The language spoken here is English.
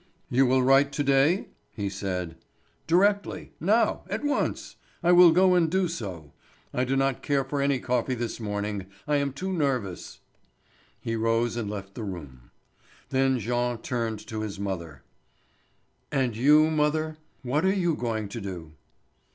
"You will write to day?" he said. "Directly. Now; at once. I will go and do so. I do not care for any coffee this morning; I am too nervous." He rose and left the room. Then Jean turned to his mother: "And you, mother, what are you going to do?"